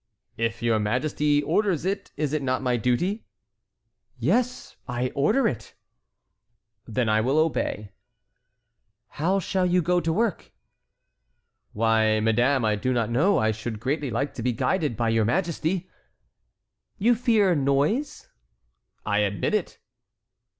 "If your majesty orders it, is it not my duty?" "Yes, I order it." "Then I will obey." "How shall you go to work?" "Why, madame, I do not know, I should greatly like to be guided by your majesty." "You fear noise?" "I admit it."